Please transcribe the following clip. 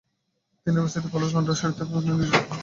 তিনি University College লন্ডনে শারীরতত্ত্বের অধ্যাপক নিযুক্ত হন।